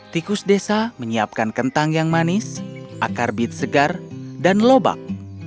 tikus desa menyiapkan kentang yang manis akar bit segar dan lobak